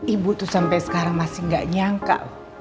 ibu tuh sampai sekarang masih gak nyangka